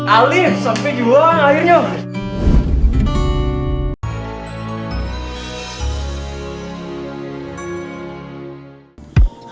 alin sepi juga lah ngalir nyuruh